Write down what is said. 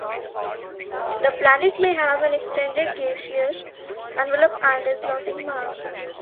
The planet may have an extended gaseous envelope and is losing mass.